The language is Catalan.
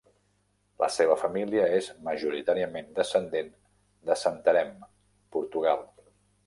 La seva família és majoritàriament descendent de Santarém (Portugal).